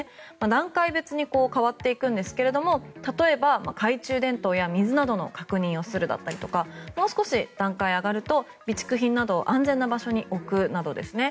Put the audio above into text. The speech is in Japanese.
段階別に変わっていくんですが例えば、懐中電灯や水などの確認をするだったりとかもう少し段階が上がると備蓄品などを安全な場所に置くなどですね。